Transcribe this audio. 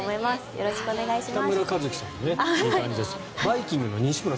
よろしくお願いします。